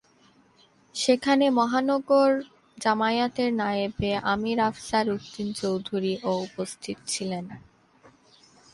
সেখানে মহানগর জামায়াতের নায়েবে আমীর আফসার উদ্দিন চৌধুরী ও উপস্থিত ছিলেন।